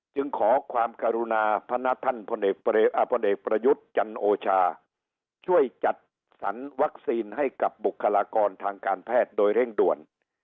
จึงขอความกรุณาพนักท่านพลเอกประยุทธ์จันโอชาช่วยจัดสรรวัคซีนให้กับบุคลากรทางการแพทย์โดยเร่งด่วน